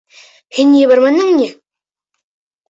Һин ебәрмәнеңме ни?